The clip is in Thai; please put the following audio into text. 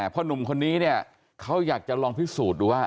หนุ่มคนนี้เนี่ยเขาอยากจะลองพิสูจน์ดูว่า